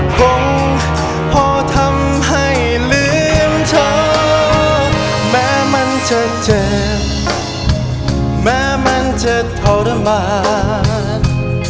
คงพอทำให้ลืมเธอแม้มันจะเจ็บแม้มันจะทรมาน